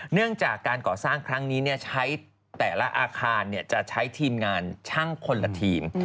เนื่องจากการก่อสร้างครั้งนี้ใช้แต่ละอาคารจะใช้ทีมงานช่างคนละทีม